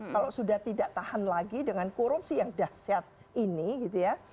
kalau sudah tidak tahan lagi dengan korupsi yang dahsyat ini gitu ya